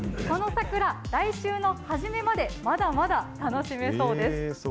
この桜、来週の初めまでまだまだ楽しめそうです。